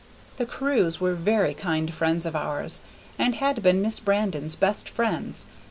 The Carews were very kind friends of ours, and had been Miss Brandon's best friends.